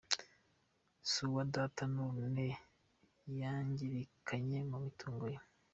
Si uwa Data none yanyirakanye mu mitungo ye.